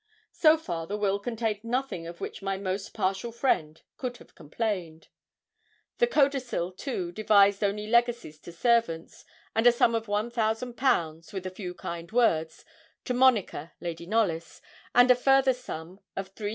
So far the will contained nothing of which my most partial friend could have complained. The codicil, too, devised only legacies to servants, and a sum of 1,000_l_., with a few kind words, to Monica, Lady Knollys, and a further sum of 3,000_l_.